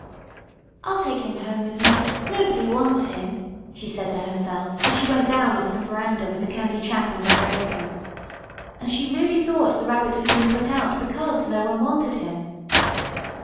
"I'll take him home with me. Nobody wants him," she said to herself as she went down off the veranda with the candy chap under her apron. And she really thought the Rabbit had been put out because no one wanted him.